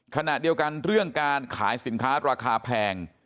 ขณะเดียวกันเรื่องการขายสินค้าราคาแพง